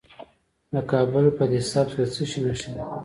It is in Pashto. د کابل په ده سبز کې د څه شي نښې دي؟